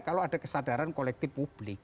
kalau ada kesadaran kolektif publik